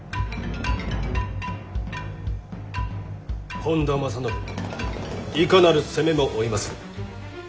本多正信いかなる責めも負いまする。